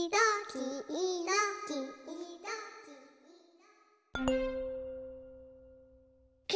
きいろきいろきいろ。